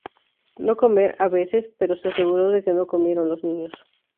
No comer, a veces, pero se aseguró de que nos comieron los niños.